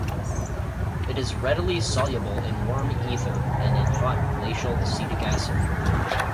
It is readily soluble in warm ether and in hot glacial acetic acid.